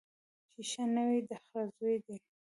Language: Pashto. چي ښه نه وي د خره زوی دی